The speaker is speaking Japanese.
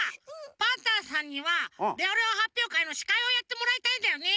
パンタンさんにはレオレオはっぴょうかいのしかいをやってもらいたいんだよね。